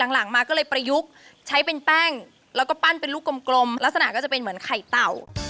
หลังมาก็เลยประยุกต์ใช้เป็นแป้งแล้วก็ปั้นเป็นลูกกลมลักษณะก็จะเป็นเหมือนไข่เต่า